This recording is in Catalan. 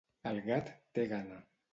El gat té gana.